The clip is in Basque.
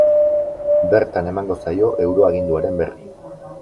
Bertan emango zaio euroaginduaren berri.